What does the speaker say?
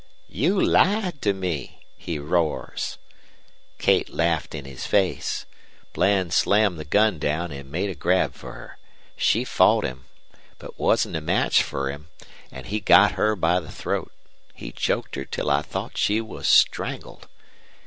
"'You lied to me,' he roars. "Kate laughed in his face. Bland slammed the gun down an' made a grab fer her. She fought him, but wasn't a match fer him, an' he got her by the throat. He choked her till I thought she was strangled.